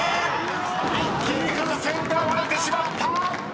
［一気に風船が割れてしまった！］